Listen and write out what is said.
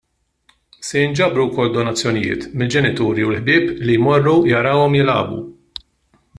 Se jinġabru wkoll donazzjonijiet mill-ġenituri u l-ħbieb li jmorru jarawhom jilagħbu.